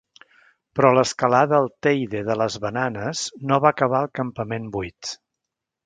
Però l'escalada al Teide de les bananes no va acabar al campament vuit.